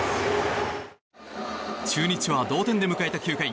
中日は同点で迎えた９回。